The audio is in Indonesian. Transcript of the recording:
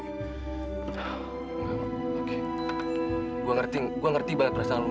enggak mak oke gue ngerti gue ngerti banget perasaan lu mak